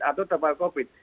atau terpapar covid